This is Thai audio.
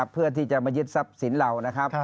เพื่อที่จะมายึดทรัพย์สินเรานะครับ